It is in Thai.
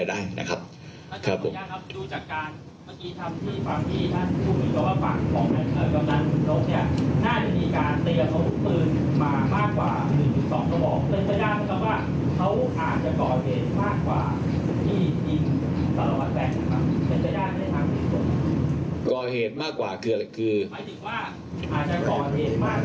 ได้นะครับครับผมดูจากการเมื่อกี้ทำที่ความดีท่านผู้หญิง